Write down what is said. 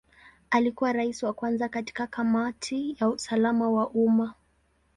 Alikuwa Rais wa kwanza katika Kamati ya usalama wa umma.